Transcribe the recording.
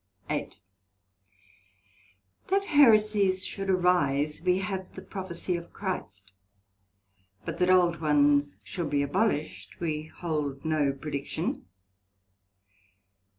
SECT.8 That Heresies should arise, we have the Prophesie of Christ; but that old ones should be abolished, we hold no prediction.